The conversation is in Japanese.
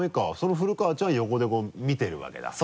古川ちゃんは横でこう見てるわけだ彼を。